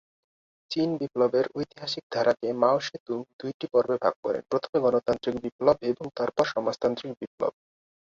চীন বিপ্লবের ঐতিহাসিক ধারাকে মাও সে তুং দুইটি পর্বে ভাগ করেন, প্রথমে গণতান্ত্রিক বিপ্লব এবং তারপরে সমাজতান্ত্রিক বিপ্লব।